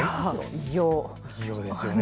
偉業ですよね。